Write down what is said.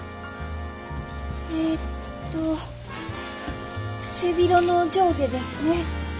えっと背広の上下ですね。